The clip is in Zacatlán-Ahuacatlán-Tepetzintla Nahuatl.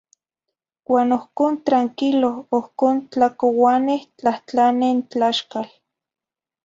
uan ohcon tranquilo ohcon, tlacuuaneh tlahtlaneh n tlaxcal.